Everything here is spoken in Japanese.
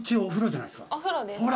ほら！